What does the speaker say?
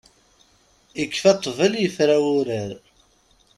Ikfa ṭtbel, ifra wurar.